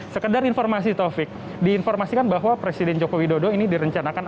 sekedar informasi taufik diinformasikan bahwa presiden joko widodo ini direncanakan